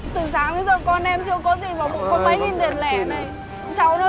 từ sáng giờ con em chưa có gì vào bụng